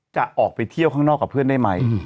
จะออกไปเที่ยวข้างนอกกับเพื่อนได้ไหม